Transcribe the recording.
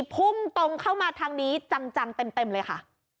พุ่งตรงเข้ามาทางนี้จังเต็มเลยค่ะ